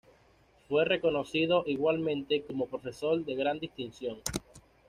Fue reconocido igualmente como profesor de gran distinción.